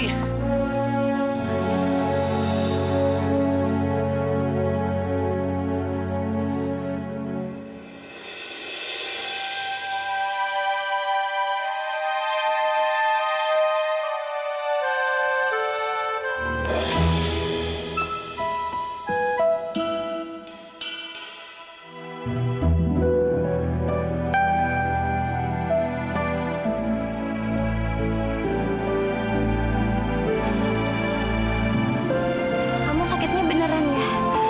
kamu sakitnya beneran ya